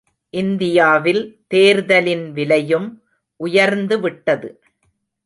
இந்தியாவில் தேர்தலின் விலையும் உயர்ந்துவிட்டது.